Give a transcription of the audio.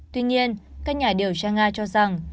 tuy nhiên các nhà điều tra nga cho rằng